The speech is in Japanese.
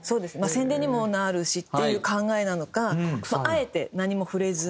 宣伝にもなるしっていう考えなのかあえて何も触れずに。